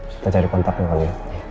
kita cari kontaknya lagi